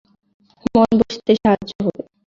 মন বসতে সাহায্য হবে।